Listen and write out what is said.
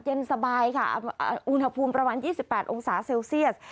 เย็นสบายค่ะอุณหภูมิประมาณ๒๘องศาเซลเซียส